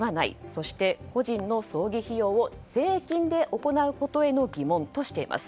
そして、個人の葬儀費用を税金で行うことへの疑問としています。